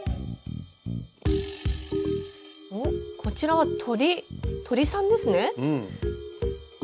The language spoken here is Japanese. おっこちらは鳥さんですね。